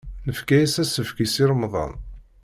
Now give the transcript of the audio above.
Nefka-as asefk i Si Remḍan.